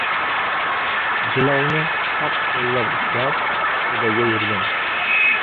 Jilovni chap qo‘llab ushlab, to‘daga yurdim.